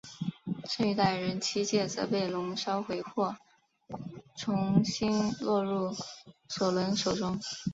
剩余的矮人七戒则被龙烧毁或重新落入索伦手中。